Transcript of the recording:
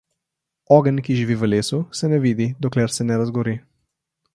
Ogenj, ki živi v lesu, se ne vidi, dokler se ne razgori.